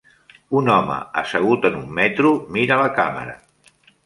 Un home assegut en un metro mira la càmera.